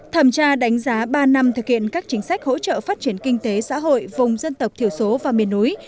thẩm tra đánh giá ba năm thực hiện các chính sách hỗ trợ phát triển kinh tế xã hội vùng dân tộc thiểu số và miền núi